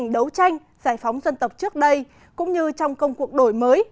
đấu tranh giải phóng dân tộc trước đây cũng như trong công cuộc đổi mới